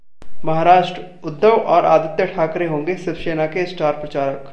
महाराष्ट्र: उद्धव और आदित्य ठाकरे होंगे शिवसेना के स्टार प्रचारक